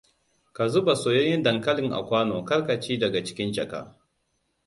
Ka zuba soyayyen dankalin a kwano. Kar ka ci daga cikin jaka.